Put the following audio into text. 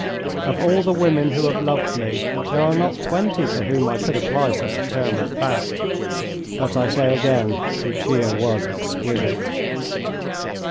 Of all the women who have loved me there are not twenty to whom I could apply such a term as that. But I say again that Lucia was exquisite.